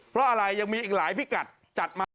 เพราะอะไรยังมีอีกหลายพิกัดจัดมา